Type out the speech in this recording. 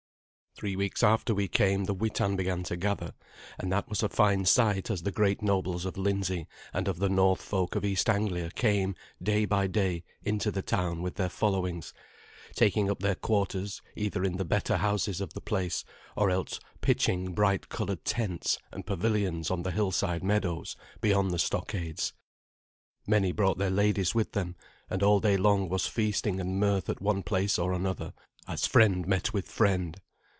Three weeks after we came the Witan began to gather, and that was a fine sight as the great nobles of Lindsey, and of the North folk of East Anglia, came day by day into the town with their followings, taking up their quarters either in the better houses of the place or else pitching bright coloured tents and pavilions on the hillside meadows beyond the stockades. Many brought their ladies with them, and all day long was feasting and mirth at one place or another, as friend met with friend.